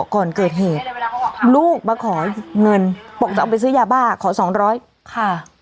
ก่อนเกิดเหตุลูกมาขอเงินบอกจะเอาไปซื้อยาบ้าขอสองร้อยค่ะ